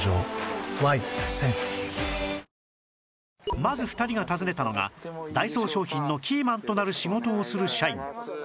まず２人が訪ねたのがダイソー商品のキーマンとなる仕事をする社員